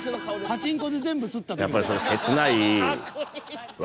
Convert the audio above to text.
パチンコで全部すった時の顔。